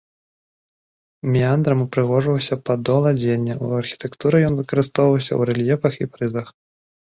Меандрам упрыгожваўся падол адзення, у архітэктуры ён выкарыстоўваўся ў рэльефах і фрызах.